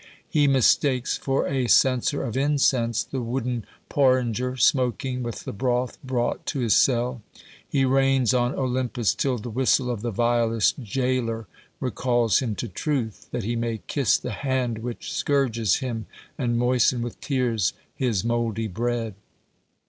He mistakes for a censer of incense the wooden porringer smoking with the broth brought to his cell ; he reigns on Olympus till the whistle of the vilest jailer recalls him to truth, that he may kiss the hand which scourges him and moisten with tears his mouldy bread.